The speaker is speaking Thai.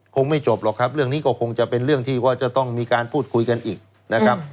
คงไม่จบหรอกครับเรื่องนี้ก็คงจะเป็นเรื่องที่ว่าจะต้องมีการพูดคุยกันอีกนะครับ